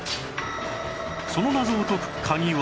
その謎を解く鍵は